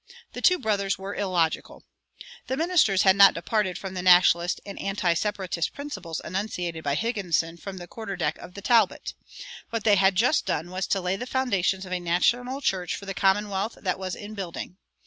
The two brothers were illogical. The ministers had not departed from the Nationalist and anti Separatist principles enunciated by Higginson from the quarter deck of the "Talbot." What they had just done was to lay the foundations of a national church for the commonwealth that was in building.